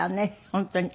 本当に。